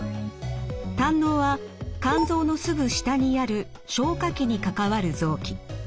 胆のうは肝臓のすぐ下にある消化器に関わる臓器。